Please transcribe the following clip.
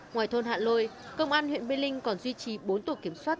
ngoài thôn hạ lôi công an huyện mê linh còn duy trì bốn tổ kiểm soát